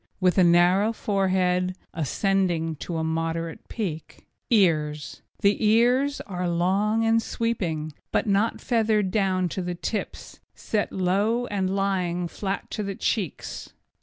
With a narrow forehead, ascending to a moderate peak. EARS The ears are long and sweeping, but not feathered down to the tips, set low and lying flat to the cheeks.